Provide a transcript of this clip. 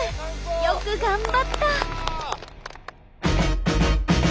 よく頑張った。